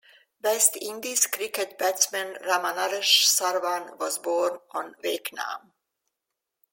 West Indies cricket batsman Ramnaresh Sarwan was born on Wakenaam.